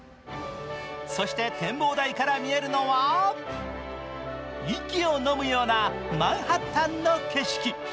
そして展望台から見えるのは息をのむようなマンハッタンの景色。